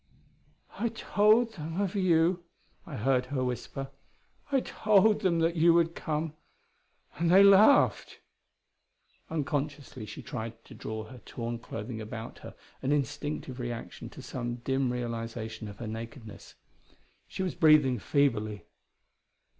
"I told them of you," I heard her whisper. "I told them that you would come and they laughed." Unconsciously she tried to draw her torn clothing about her, an instinctive reaction to some dim realization of her nakedness. She was breathing feebly.